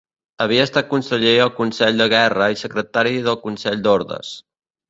Havia estat conseller al Consell de Guerra i secretari del Consell d'Ordes.